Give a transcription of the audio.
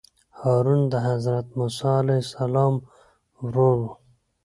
هارون د حضرت موسی علیه السلام ورور وو.